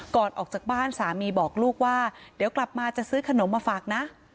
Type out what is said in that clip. ก่อนออกจากบ้านสามีบอกลูกว่าเดี๋ยวกลับมาจะซื้อขนมมาฝากนะ